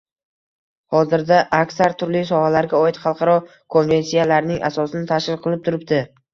hozirda aksar – turli sohalarga oid xalqaro konvensiyalarning asosini tashkil qilib turibdi.